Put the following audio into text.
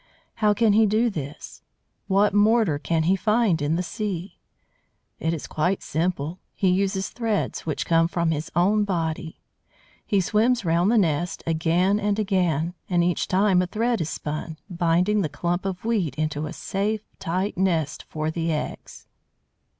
How can he do this? What mortar can he find in the sea? It is quite simple. He uses threads, which come from his own body. He swims round the nest, again and again; and, each time, a thread is spun, binding the clump of weed into a safe, tight nest for the eggs.